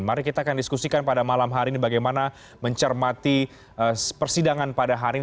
mari kita akan diskusikan pada malam hari ini bagaimana mencermati persidangan pada hari ini